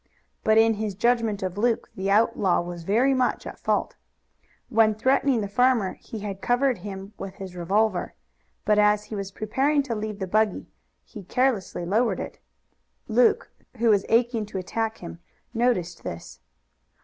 But in his judgment of Luke the outlaw was very much at fault. When threatening the farmer he had covered him with his revolver, but as he was preparing to leave the buggy he carelessly lowered it. Luke, who was aching to attack him, noticed this.